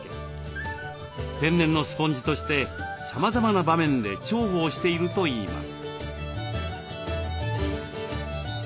天然のスポンジとしてさまざまな場面で重宝しているといいます。